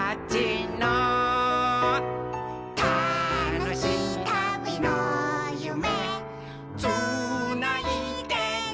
「たのしいたびのゆめつないでる」